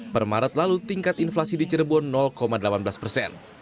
permaret lalu tingkat inflasi di cirebon delapan belas persen